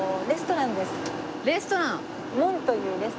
レストラン！